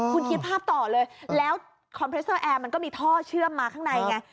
คุณคิดภาพต่อเลยแล้วคอมเพรสเตอร์แอร์มันก็มีท่อเชื่อมมาข้างในไง